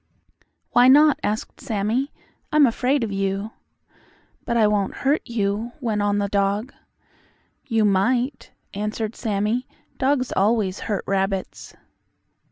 "Why not?" asked Sammie. "I'm afraid of you." "But I won't hurt you," went on the dog. "You might," answered Sammie. "Dogs always hurt rabbits."